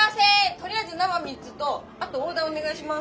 とりあえず生３つとあとオーダーお願いします。